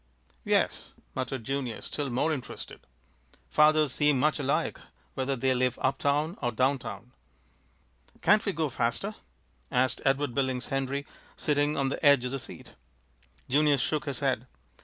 "Yes," muttered Junius, still more interested. "Fathers seem much alike, whether they live up town or down town." "Can't we go faster?" asked Edward Billings Henry, sitting on the edge of the seat. Junius shook his head.